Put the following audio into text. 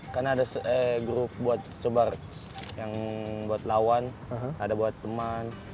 karena ada grup buat sebar yang buat lawan ada buat temen